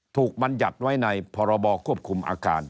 ถูกบัญญัติไว้ในพรบควบคุมอาคาร